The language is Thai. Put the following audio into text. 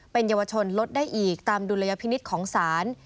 เป็นเยาวชนลดได้อีกตามดุลยพินิษฐ์ของศาล